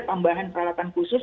pembangunan peralatan khusus